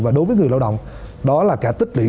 và đối với người lao động đó là cả tích điện